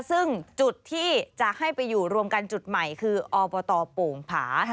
ซึ่งจุดที่จะให้ไปอยู่รวมกันจุดใหม่คืออบตโป่งผา